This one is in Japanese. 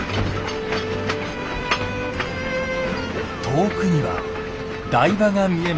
遠くには台場が見えます。